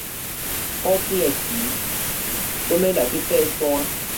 好天的時阮欲來去 𬦰 山